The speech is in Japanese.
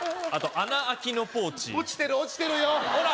穴あきのポーチ落ちてる落ちてるよほら